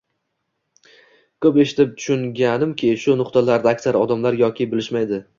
Koʻp eshitib tushunganimki, shu nuqtalarda aksar odamlar yoki bilishmaydi